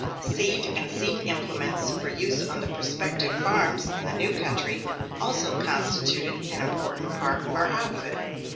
Seed and implements for use on the prospective farms in the new country also constituted an important part of our outfit.